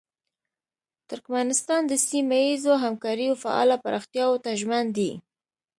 ترکمنستان د سیمه ییزو همکاریو فعاله پراختیاوو ته ژمن دی.